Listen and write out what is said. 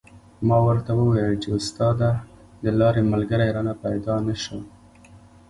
ما ورته و ویل چې استاده د لارې ملګری رانه پیدا نه شو.